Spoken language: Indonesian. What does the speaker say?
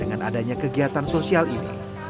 adanya kegiatan sosial ini